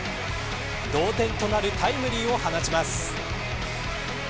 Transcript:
同点となるタイムリーを放ちます。